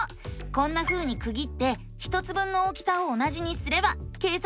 こんなふうにくぎって１つ分の大きさを同じにすれば計算できるんだよね！